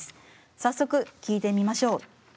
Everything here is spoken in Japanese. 早速聴いてみましょう。